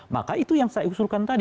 maka itu yang saya usulkan tadi